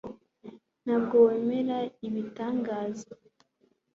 Ntabwo wemera ibitangaza